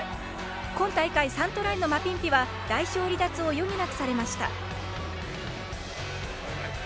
今大会、３トライのマピンピは代表離脱を余儀なくされました。